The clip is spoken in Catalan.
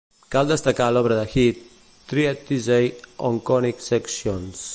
Cal destacar l'obra de Heath "Treatise on Conic Sections".